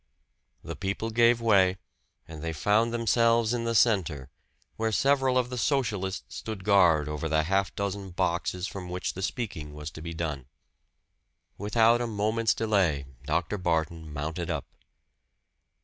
The people gave way, and they found themselves in the center, where several of the Socialists stood guard over the half dozen boxes from which the speaking was to be done. Without a moment's delay, Dr. Barton mounted up.